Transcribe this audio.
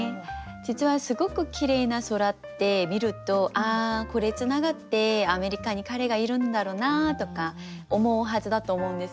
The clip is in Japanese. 実はすごくきれいな空って見るとああこれ繋がってアメリカに彼がいるんだろうなとか思うはずだと思うんですよね。